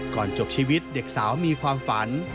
จบชีวิตเด็กสาวมีความฝัน